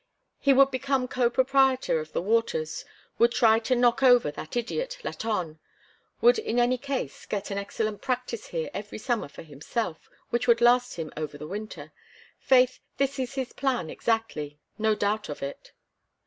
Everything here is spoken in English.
He would become co proprietor of the waters, would try to knock over that idiot, Latonne, would in any case get an excellent practice here every summer for himself, which would last him over the winter. Faith! this is his plan exactly no doubt of it!"